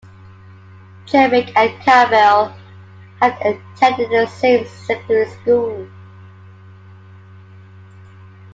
Trivic and Campbell had attended the same secondary school.